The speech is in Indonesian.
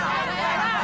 pak pak pak